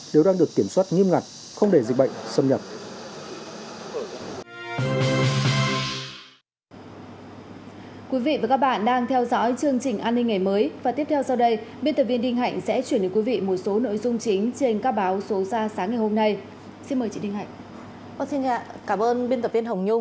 đều đang được kiểm soát nghiêm ngặt không để dịch bệnh xâm nhập